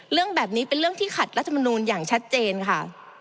เรื่องแบบนี้เป็นเรื่องที่ขัดรัฐมนูลอย่างชัดเจนค่ะ